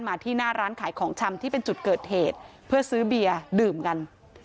ที่หน้าร้านขายของชำที่เป็นจุดเกิดเหตุเพื่อซื้อเบียร์ดื่มกัน